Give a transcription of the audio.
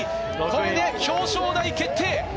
これで表彰台決定！